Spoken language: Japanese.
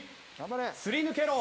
すり抜けろ！